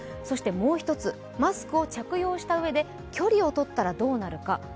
もう一つ、マスクを着用したうえで距離をとったらどうなるか。